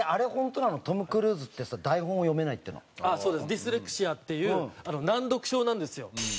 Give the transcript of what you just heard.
ディスレクシアっていう難読症なんですよ。